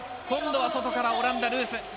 今度は外からオランダ、ルース。